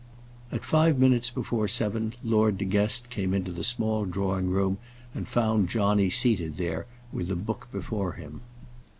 At five minutes before seven Lord De Guest came into the small drawing room, and found Johnny seated there, with a book before him.